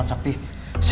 aku mau ke rumah